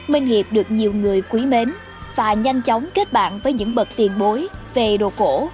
minh hiệp được nhiều người quý mến và nhanh chóng kết bạn với những bậc tiền bối về đồ cổ